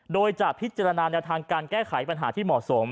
โดยจะพิจารณาแนวทางการแก้ไขปัญหาที่เหมาะสม